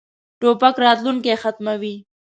توپک راتلونکی ختموي.